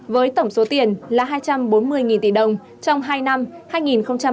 với tổng số tiền là hai trăm bốn mươi tỷ đồng trong hai năm hai nghìn hai mươi hai hai nghìn hai mươi ba